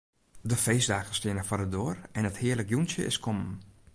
De feestdagen steane foar de doar en it hearlik jûntsje is kommen.